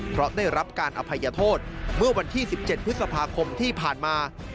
เพราะได้รับการอภัยโทษเมื่อวันที่๑๗พฤษภาคมที่ผ่านมา